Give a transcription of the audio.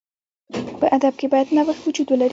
په ادب کښي باید نوښت وجود ولري.